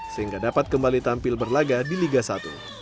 sehingga dapat kembali tampil berlaga di liga satu